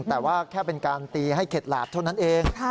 แต่ว่าแค่เป็นการตีให้เข็ดหลาบเท่านั้นเอง